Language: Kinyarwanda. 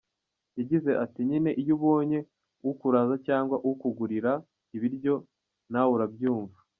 Yagize ati “ Nyine iyo ubonye ukuraza cyangwa ukugurira ibiryo na we urabyumva.